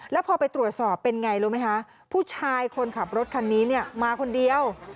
แล้วพอไปตรวจสอบเป็นไงรู้ไหมคะผู้ชายคนขับรถคันนี้เนี่ยมาคนเดียว